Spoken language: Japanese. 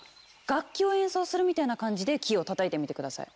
楽器を演奏するみたいな感じでキーを叩いてみて下さい。